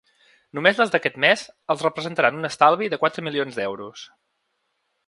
Només les d’aquest mes els representaran un estalvi de quatre milions d’euros.